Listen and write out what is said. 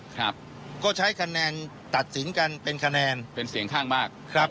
ครับก็ใช้คะแนนตัดสินกันเป็นคะแนนเป็นเสียงข้างมากครับ